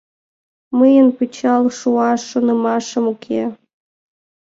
Мыйын пычал шуаш шонымашем уке».